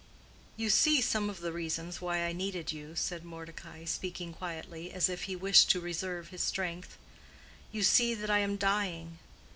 "You see some of the reasons why I needed you," said Mordecai, speaking quietly, as if he wished to reserve his strength. "You see that I am dying.